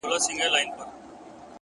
دا دی د ژوند و آخري نفس ته ودرېدم _